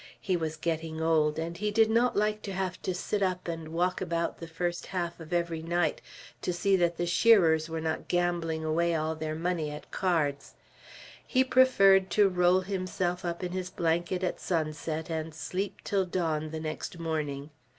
He was getting old, and he did not like to have to sit up and walk about the first half of every night, to see that the shearers were not gambling away all their money at cards; he preferred to roll himself up in his blanket at sunset and sleep till dawn the next morning.